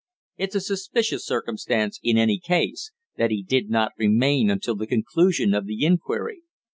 "It's a suspicious circumstance, in any case, that he did not remain until the conclusion of the inquiry."